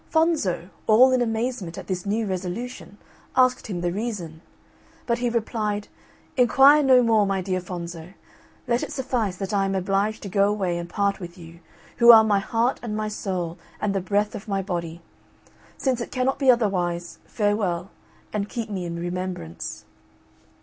Fonzo, all in amazement at this new resolution, asked him the reason: but he replied, "Enquire no more, my dear Fonzo, let it suffice that I am obliged to go away and part with you, who are my heart and my soul and the breath of my body. Since it cannot be otherwise, farewell, and keep me in remembrance."